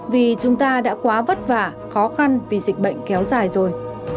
vì chúng ta đã quá vất vả khó khăn vì dịch bệnh kéo dài rồi